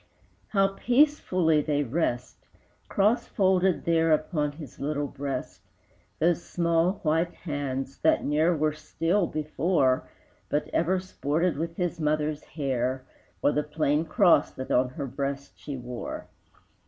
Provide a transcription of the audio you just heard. How peacefully they rest, Crossfolded there Upon his little breast, Those small, white hands that ne'er were still before, But ever sported with his mother's hair, Or the plain cross that on her breast she wore!